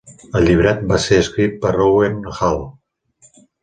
El llibret va ser escrit per Owen Hall.